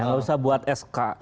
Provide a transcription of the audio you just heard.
gak usah buat sk